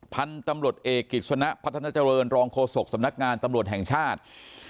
พันธุ์ตำรวจเอกกิจสนะพัฒนาเจริญรองโฆษกสำนักงานตำรวจแห่งชาติ